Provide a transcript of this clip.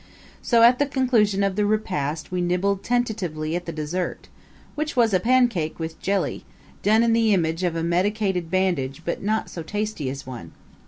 So at the conclusion of the repast we nibbled tentatively at the dessert, which was a pancake with jelly, done in the image of a medicated bandage but not so tasty as one.